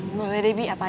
em boleh debbie apa aja